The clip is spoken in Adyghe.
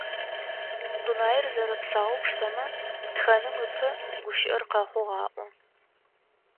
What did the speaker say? Дунаир зэрэпсаоу пштэмэ тхэным ыпэ гущыӏэр къэхъугъ аӏо.